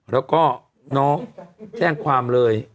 แล้วก็น้องแจ้งความเลย